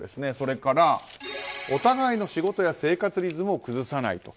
それから、お互いの仕事や生活リズムを崩さない。